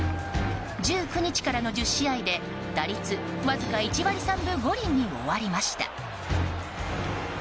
１９日からの１０試合で打率、わずか１割３分５厘に終わりました。